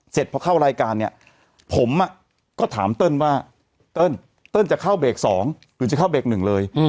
เสร็จพอเข้ารายการเนี่ยผมก็ถามเติ้ลว่าเติ้ลเติ้ลจะเข้าเบรก๒หรือจะเข้าเบรกหนึ่งเลย